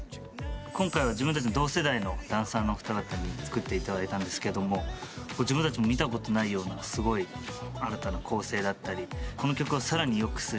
今回は自分たちの同世代のダンサーの方々に作っていただいたんですが自分たちも見たことないようなすごい新たな構成だったりこの曲をさらによくする振り付け。